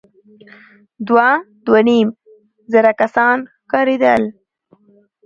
دوه ، دوه نيم زره کسان ښکارېدل.